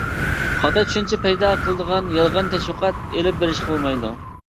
خاتا چۈشەنچە پەيدا قىلىدىغان يالغان تەشۋىقات ئېلىپ بېرىشقا بولمايدۇ.